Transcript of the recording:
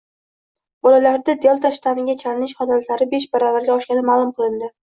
Bolalarda «delta» shtammiga chalinish holatlari besh baravarga oshgani ma'lum qilindi